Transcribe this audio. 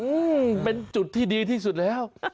อืมเป็นจุดที่ดีที่สุดแล้ว